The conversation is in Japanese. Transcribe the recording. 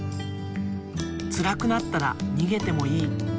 つらくなったらにげてもいい。